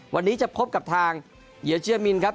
วันนี้จะพบกับทางเหยียมินครับ